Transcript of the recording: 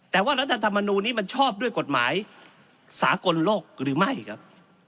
แต่ว่ารัฐธรรมนูลนี้มันชอบด้วยกฎหมายสากลโลกหรือไม่ครับ